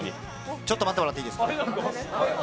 ちょっと待ってもらっていいですか。